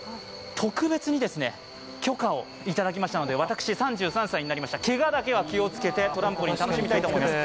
特別に、許可をいただきましたので私３３歳になりました、けがだけは気を付けてトランポリン楽しみたいと思います。